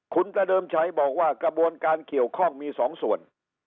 คุณตะเดิมชัยบอกว่ากระบวนการเกี่ยวข้องมี๒ส่วน